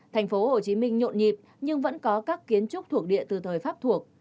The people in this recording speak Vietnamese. thành phố hồ chí minh nhộn nhịp nhưng vẫn có các kiến trúc thuộc địa từ thời pháp thuộc